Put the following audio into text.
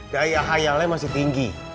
daya khayalnya masih tinggi